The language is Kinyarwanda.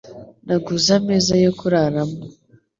Naguze ameza yo kuraramo.